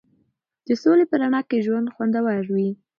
د سولې په رڼا کې ژوند خوندور وي.